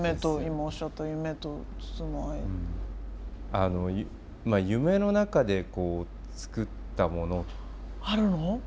あの夢の中で作ったものって。